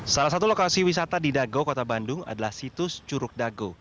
salah satu lokasi wisata di dago kota bandung adalah situs curug dago